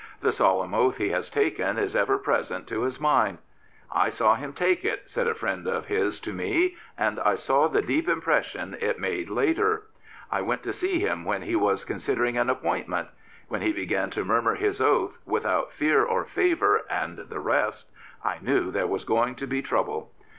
The solemn oath he has taken is ever present to his mind. " I saw him take it/' said a friend of his to me, " and I saw the deep impression it made later. I went to see him when he was con sidering an appointment. When he began to murmur his oath, * without fear or favour,' and the rest, I knew there was going to be trouble."